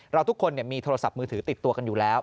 ทุกคนมีโทรศัพท์มือถือติดตัวกันอยู่แล้ว